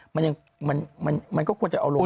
มันก็ควรจะเอาลงไป